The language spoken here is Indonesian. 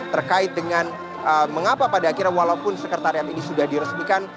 terkait dengan mengapa pada akhirnya walaupun sekretariat ini sudah diresmikan